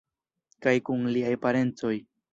Kaj kun liaj parencoj.